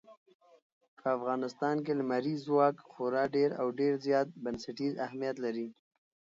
په افغانستان کې لمریز ځواک خورا ډېر او ډېر زیات بنسټیز اهمیت لري.